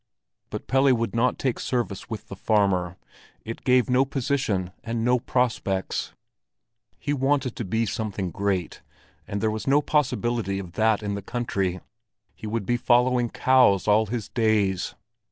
But Pelle would not take service with the farmer; it gave no position and no prospects. He wanted to be something great, but there was no possibility of that in the country; he would be following cows all his days.